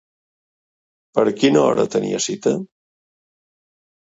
Per quina hora tenia cita?